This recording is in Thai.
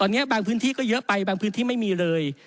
ตอนนี้บางพื้นที่ก็เยอะไปบางพื้นที่ไม่มีเลย